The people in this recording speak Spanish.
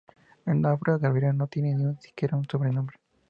En la obra Gabriela no tiene ni siquiera un sobrenombre.